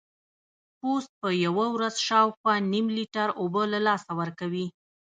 پوست په یوه ورځ شاوخوا نیم لیټر اوبه له لاسه ورکوي.